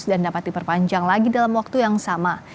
dan dapat diperpanjang lagi dalam waktu yang sama